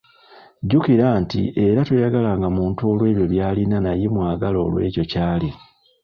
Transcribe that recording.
Jjukira nti era toyagalanga muntu olw'ebyo byalina naye mwagale olw'ekyo kyali.